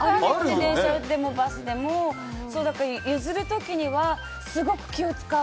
電車でもバスでも譲る時にはすごく気を遣う。